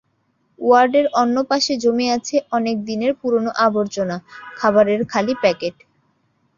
ওয়ার্ডের অন্য পাশে জমে আছে অনেক দিনের পুরোনো আবর্জনা, খাবারের খালি প্যাকেট।